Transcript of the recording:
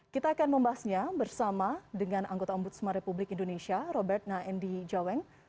kita akan membahasnya bersama dengan anggota ombudsman republik indonesia robert naendi jaweng